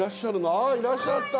ああいらっしゃった。